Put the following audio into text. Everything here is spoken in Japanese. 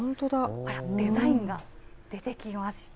デザインが出てきました。